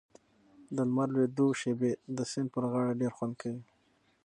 د لمر لوېدو شېبې د سیند پر غاړه ډېر خوند کوي.